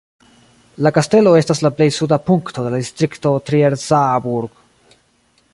La kastelo estas la plej suda punkto de la distrikto Trier-Saarburg.